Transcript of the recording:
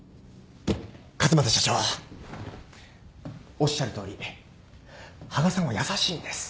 おっしゃるとおり羽賀さんは優しいんです。